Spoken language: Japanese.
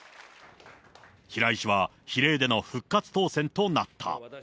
平井氏は比例での復活当選となった。